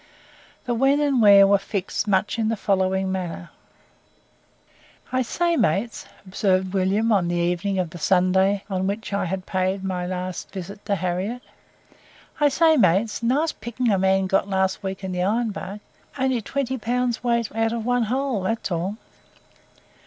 The when and the where were fixed much in the following manner: "I say, mates," observed William on the evening of the Sunday on which I had paid my last visit to Harriette, "I say, mates, nice pickings a man got last week in the Iron Bark only twenty pounds weight out of one hole; that's all."